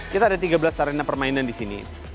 kita ada tiga belas arena permainan disini